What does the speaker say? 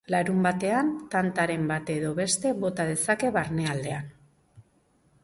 Larunbatean tantaren bat edo beste bota dezake barnealdean.